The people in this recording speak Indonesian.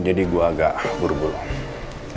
jadi gue agak buru buru